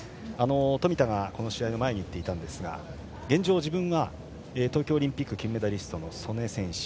冨田がこの試合の前に言っていたんですが現状、自分が東京オリンピック金メダリストの素根選手